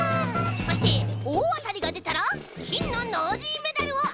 そしておおあたりがでたらきんのノージーメダルをあげちゃいます。